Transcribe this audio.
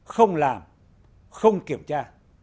không làm không kiểm tra